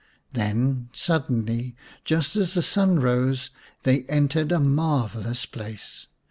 Then suddenly just as the sun rose they entered a marvellous place.